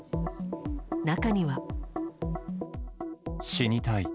中には。